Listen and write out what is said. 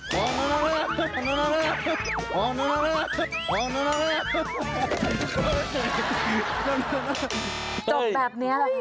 จบแบบนี้หรือเปล่า